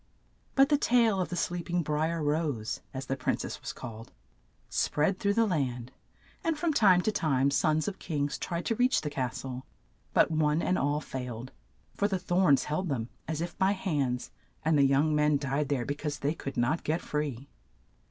But the tale of the sleep ing Bri er Rose, as the prin cess was called, spread through the land, and from time to time sons of kings tried to reach the cas tle ; but one and all failed, for the thorns held them, as if by hands, and the young men died there be cause they could not get free.